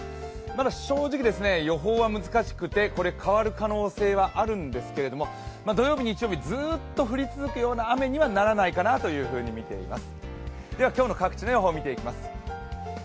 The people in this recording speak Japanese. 正直予報は難しくてこれ変わる可能性があるんですけれども、土曜日、日曜日、ずっと降り続くような雨にはならないかなとみています。